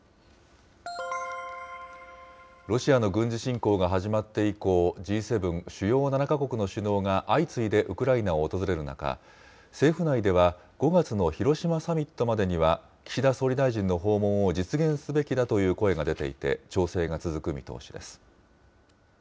ロシアの軍事侵攻が始まって以降、Ｇ７・主要７か国の首脳が相次いでウクライナを訪れる中、政府内では５月の広島サミットまでには、岸田総理大臣の訪問を実現すべきだという声が出ていて、調整が続く見通しです。